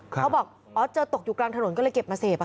เขาบอกอ๋อเจอตกอยู่กลางถนนก็เลยเก็บมาเสพ